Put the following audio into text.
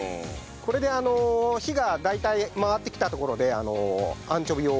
これで火が大体回ってきたところでアンチョビを。